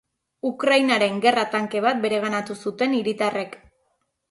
Ukrainaren gerra tanke bat bereganatu zuten hiritarrek.